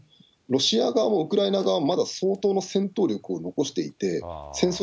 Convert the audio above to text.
ロシア側もウクライナ側も、まだ相当の戦闘力を残していて、戦争